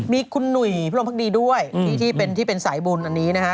มีคุณหนุ่ยผู้ร่วมพลังภักดีด้วยที่เป็นที่เป็นสายบุญอันนี้นะคะ